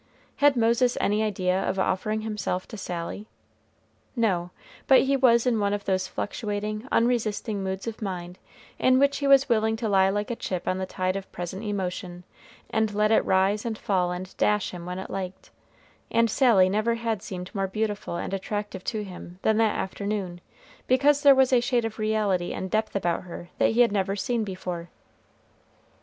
Had Moses any idea of offering himself to Sally? No; but he was in one of those fluctuating, unresisting moods of mind in which he was willing to lie like a chip on the tide of present emotion, and let it rise and fall and dash him when it liked; and Sally never had seemed more beautiful and attractive to him than that afternoon, because there was a shade of reality and depth about her that he had never seen before.